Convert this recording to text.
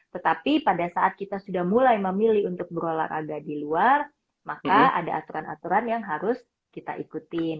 tetapi pada saat kita sudah mulai memilih untuk berolahraga di luar maka ada aturan aturan yang harus kita ikutin